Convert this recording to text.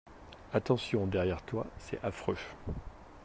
Attention derrière toi, c'est affreux!